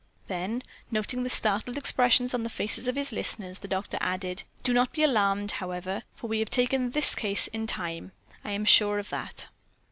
Then, noting the startled expressions on the faces of his listeners, the doctor added: "Do not be alarmed, however, for we have taken this case in time. I am sure of that."